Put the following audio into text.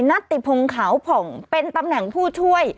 นัทติพงขาวผ่องเป็นตำแหน่งผู้ช่วย